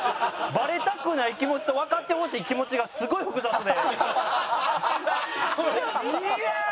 バレたくない気持ちとわかってほしい気持ちがいやあー！